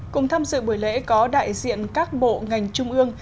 cùng tham dự buổi lễ có đại diện các bộ ngành trung ương